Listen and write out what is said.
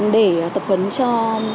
để tập huấn cho